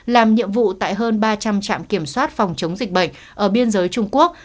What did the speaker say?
làm nhiệm vụ tại hơn ba trăm linh trạm kiểm soát phòng chống dịch bệnh ở biên giới trung quốc